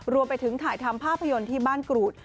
รวมไปถึงถ่ายทำภาพยนตร์ที่บ้านกรูด